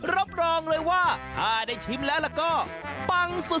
รับรองเลยว่าถ้าได้ชิมแล้วก็ปังสุด